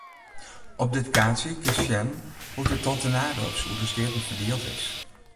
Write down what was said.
Op dit kaartsje kinst sjen hoe't it tal tornado's oer de steaten ferdield is.